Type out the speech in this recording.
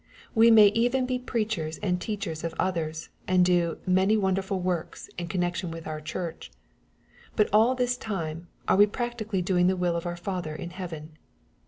We may even be preachers, and teachers of others, and do " many wonderful works" in connection with our church. But all this time are we practically doing the will of our Father in heaven